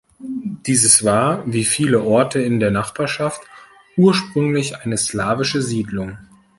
Dieses war, wie viele Orte in der Nachbarschaft, ursprünglich eine slawische Siedlung.